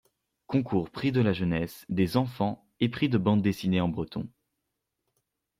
Concours Prix de la Jeunesse, des enfants, et prix de bandes-dessinées en breton.